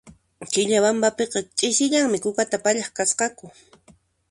Quillabambapiqa ch'isillanmi kukata pallaq kasqaku